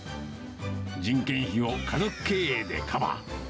人件費を家族経営でカバー。